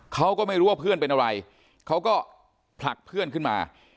เขาก็ไม่รู้ว่าเพื่อนเป็นอะไรเขาก็ผลักเพื่อนขึ้นมา